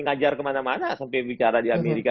ngajar kemana mana sampai bicara di amerika